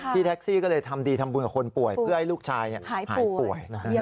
แท็กซี่ก็เลยทำดีทำบุญกับคนป่วยเพื่อให้ลูกชายหายป่วย